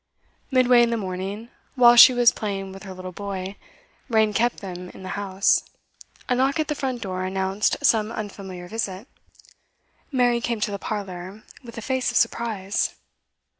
Midway in the morning, whilst she was playing with her little boy, rain kept them in the house, a knock at the front door announced some unfamiliar visit. Mary came to the parlour, with a face of surprise.